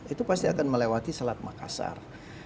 itu pasti akan melewati selat makassar